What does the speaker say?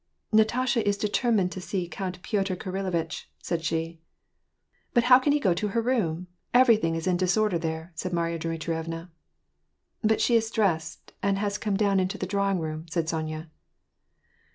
" Natasha is determined to see Count Piotr Kirillovitch/* said she. " But how can he go to her room ? Everything is in dis order there," said Marya Dmitrievna. '^ But she is di*essed, and has come down into the drawing room," said Sonya.